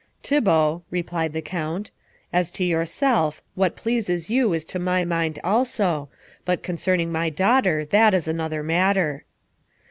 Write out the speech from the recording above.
"Thibault," replied the Count, "as to yourself what pleases you is to my mind also, but concerning my daughter that is another matter."